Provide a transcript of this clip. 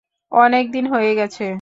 অনেক দিন হয়ে গেছে।